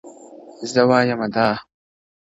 زه وايم دا-